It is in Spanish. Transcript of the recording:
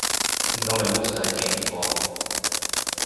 No me gusta James Bond.